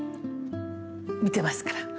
見てますから。